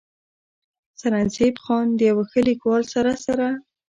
“ سرنزېب خان د يو ښه ليکوال سره سره